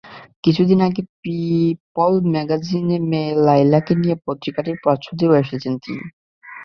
কিছুদিন আগে পিপল ম্যাগাজিনে মেয়ে লায়লাকে নিয়ে পত্রিকাটির প্রচ্ছদেও এসেছেন তিনি।